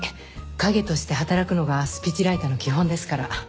影として働くのがスピーチライターの基本ですから。